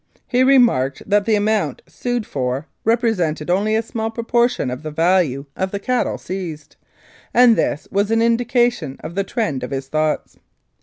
He remarked that the amount sued for re presented only a small proportion of the value of the cattle seized, and this was an indication of the trend of his thoughts.